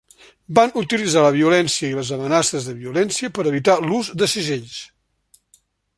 Van utilitzar la violència i les amenaces de violència per evitar l'ús de segells.